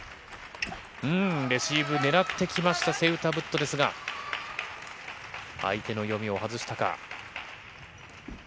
レシーブ、狙ってきました、セウタブットですが、相手の読みを外したか。